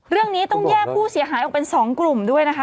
เรื่องนี้ต้องแยกผู้เสียหายออกเป็น๒กลุ่มด้วยนะคะ